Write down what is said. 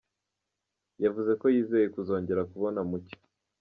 Yavuze ko yizeye kuzongera kubona Mucyo.